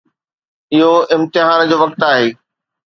اهو امتحان جو وقت آهي.